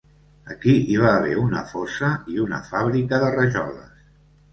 Aquí hi va haver una fosa i una fàbrica de rajoles.